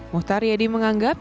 muhtar yadi menganggap